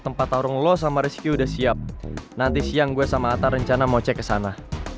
tempat tarung low sama rescue udah siap nanti siang gue sama atta rencana mau cek ke sana